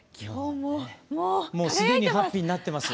もう既にハッピーになってます。